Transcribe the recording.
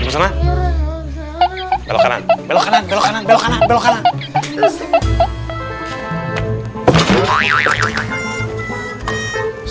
belok kanan belok kanan belok kanan belok kanan